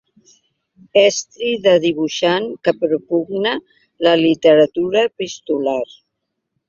Estri de dibuixant que propugna la literatura epistolar.